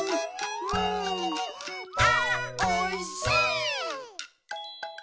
「あーおいしい」